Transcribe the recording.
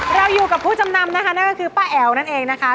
เราอยู่กับผู้จำนำนะคะนั่นก็คือป้าแอ๋วนั่นเองนะคะ